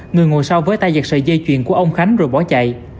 người ngồi sau với tay giật sợi dây chuyền của ông khánh rồi bỏ chạy